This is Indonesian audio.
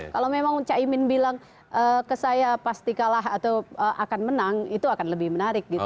kalau memang pak joko widodo bilang ke saya pasti kalah atau akan menang itu akan lebih menarik